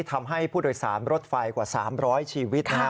ทำให้ผู้โดยสารรถไฟกว่าสามร้อยชีวิต